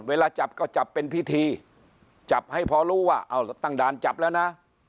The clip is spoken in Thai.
เวลาจับก็จับเป็นพิธีจับให้พอรู้ว่าเอาตั้งด่านจับแล้วนะ